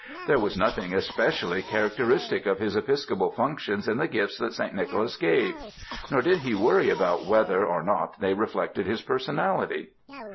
There was nothing especially character istic of his episcopal functions in the gifts that Saint Nicholas gave. Nor did he worry about whether or not they reflected his personality.